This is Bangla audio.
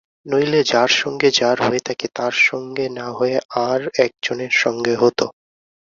নইলে যার সঙ্গে যার হয়ে থাকে তার সঙ্গে না হয়ে আর-একজনের সঙ্গে হত।